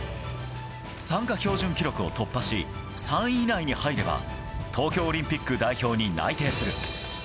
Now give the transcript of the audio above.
参加標準記録を突破し３位以内に入れば東京オリンピック代表に内定する。